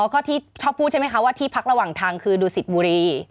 ก็ที่ชอบพูดใช่ไหมคะว่าที่พักระหว่างทางคือดูสิตบุรี